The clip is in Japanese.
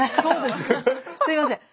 すいません。